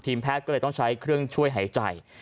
แพทย์ก็เลยต้องใช้เครื่องช่วยหายใจ